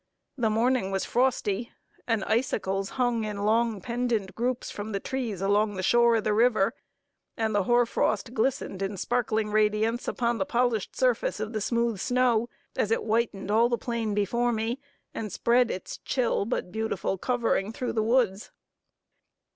The morning was frosty, and icicles hung in long pendant groups from the trees along the shore of the river and the hoar frost glistened in sparkling radiance upon the polished surface of the smooth snow, as it whitened all the plain before me, and spread its chill but beautiful covering through the woods.